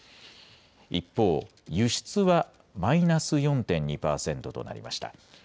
一方、輸出はマイナス４．２％となりました。